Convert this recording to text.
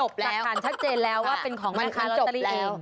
เรื่องนี้สักทานชัดเจนแล้วว่าเป็นของแม่ค้าล็อตเตอรี่เอง